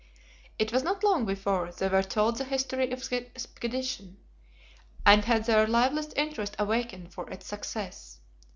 It was not long before they were told the history of the expedition, and had their liveliest interest awakened for its success.